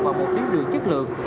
vào một tuyến đường chất lượng